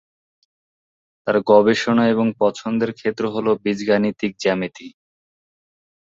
তাঁর গবেষণা এবং পছন্দের ক্ষেত্র হল বীজগাণিতিক জ্যামিতি।